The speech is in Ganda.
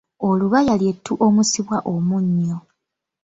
Olubaaya ly’ettu omusibwa omunnyo.